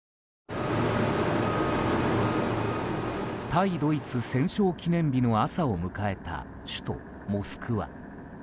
対ドイツ戦勝記念日の朝を迎えた首都モスクワ。